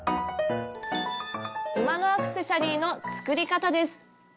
馬のアクセサリーの作り方です。